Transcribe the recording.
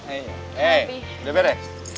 eh eh udah beres